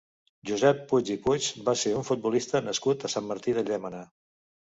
Josep Puig i Puig va ser un futbolista nascut a Sant Martí de Llémena.